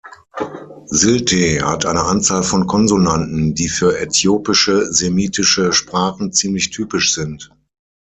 Silt’e hat eine Anzahl von Konsonanten, die für äthiopische semitische Sprachen ziemlich typisch sind.